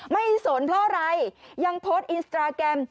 ไม่สนเพราะอะไรยังโพสต์อินสตราแกรม